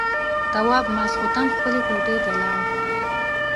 تواب ماخستن خپلې کوټې ته لاړ.